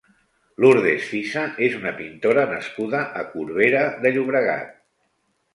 Lourdes Fisa és una pintora nascuda a Corbera de Llobregat.